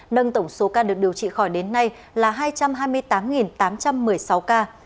nâng tổng số ca được điều trị khỏi đến nay là hai trăm hai mươi tám tám trăm một mươi sáu ca